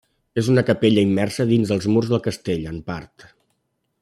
És una capella immersa dins els murs del castell, en part.